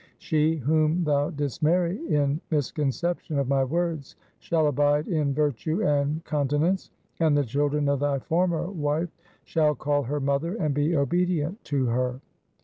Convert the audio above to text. She whom thou didst marry in misconception of my words, shall abide in virtue and continence ; and the children of thy former wife shall call her mother and be obedient to her.'